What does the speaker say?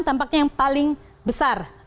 tampaknya yang paling besar